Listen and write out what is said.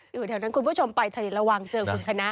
อยู่แถวนั้นคุณผู้ชมไปทะเลระวังเจอคุณชนะ